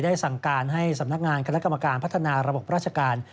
สั่งการให้สำนักงานคณะกรรมการพัฒนาระบบราชการ